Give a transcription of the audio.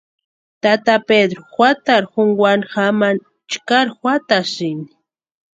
Tata Pedru juatarhu junkwani jamani chkari juatʼasïni.